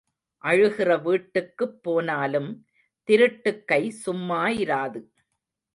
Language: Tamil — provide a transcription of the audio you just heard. அழுகிற வீட்டுக்குப் போனாலும் திருட்டுக் கை சும்மா இராது.